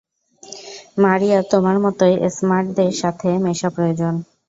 মারিয়ার তোমার মতোই স্মার্টদের সাথে মেশা প্রয়োজন।